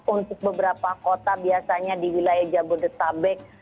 untuk beberapa kota biasanya di wilayah jabodetabek